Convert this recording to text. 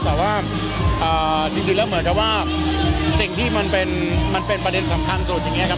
แต่ว่าจริงแล้วเหมือนกับว่าสิ่งที่มันเป็นประเด็นสำคัญสุดอย่างนี้ครับ